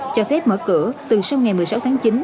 cho phép mở cửa từ sau ngày một mươi sáu tháng chín